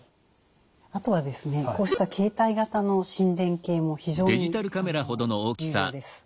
あとはですねこうした携帯型の心電計も非常に有用です。